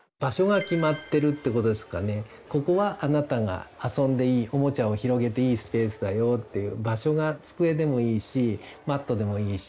「ここはあなたが遊んでいいおもちゃを広げていいスペースだよ」っていう場所が机でもいいしマットでもいいし。